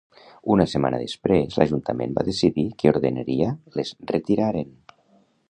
Una setmana després l'Ajuntament va decidir que ordenaria les retiraren.